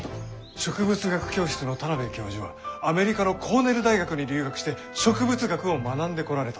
植物学教室の田邊教授はアメリカのコーネル大学に留学して植物学を学んでこられたんだ。